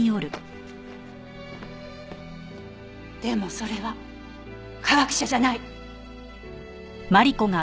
でもそれは科学者じゃない！